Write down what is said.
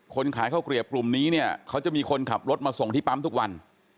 ขายข้าวเกลียบกลุ่มนี้เนี่ยเขาจะมีคนขับรถมาส่งที่ปั๊มทุกวัน